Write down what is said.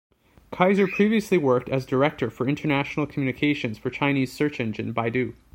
Kaiser previously worked as director for international communications for Chinese search engine Baidu.